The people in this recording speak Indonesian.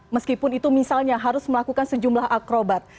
meskipun itu misalnya harus melakukan sejumlah akrobat